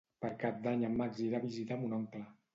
Per Cap d'Any en Max irà a visitar mon oncle.